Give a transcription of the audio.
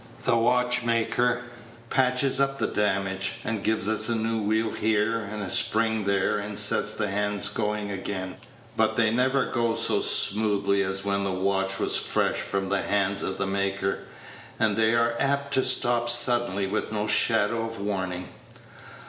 The watchmaker patches up the damage, and gives us a new wheel here, and a spring there, and sets the hands going again, but they never go so smoothly as when the watch was fresh from the hands of the maker, and they are apt to stop suddenly with no shadow of warning.